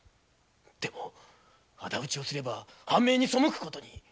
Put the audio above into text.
でも仇討ちをすれば藩命に背くことに。